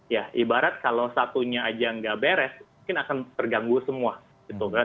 ya ibarat kalau satunya aja enggak beres mungkin akan terganggu semua